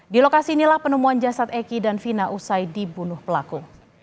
di lokasi inilah penemuan jasad eki dan vina usai dibunuh pelaku